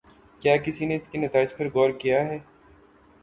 کیا کسی نے اس کے نتائج پر غور کیا ہے؟